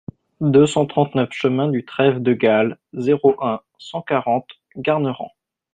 deux cent trente-neuf chemin du Trève de Galle, zéro un, cent quarante, Garnerans